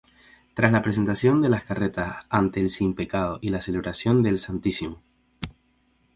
Tras la presentación de las carretas ante el Simpecado y la celebración del Stmo.